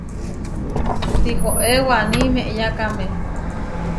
Tihoé waní meʼyákame.